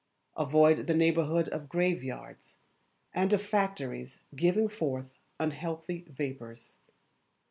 Avoid the neighbourhood of graveyards, and of factories giving forth unhealthy vapours.